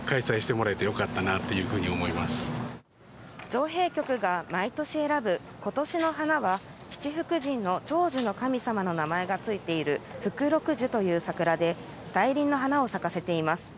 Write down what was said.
造幣局が毎年選ぶ今年の花は七福神の長寿の神様の名前がついている福禄寿という桜で、大輪の花を咲かせています。